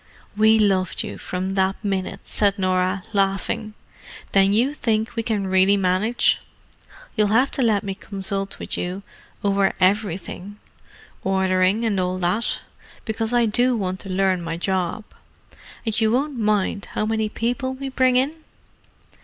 "We loved you from that minute," said Norah, laughing. "Then you think we can really manage? You'll have to let me consult with you over everything—ordering, and all that: because I do want to learn my job. And you won't mind how many people we bring in?"